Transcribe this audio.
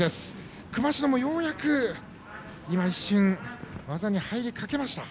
熊代もようやく一瞬技に入りかけました。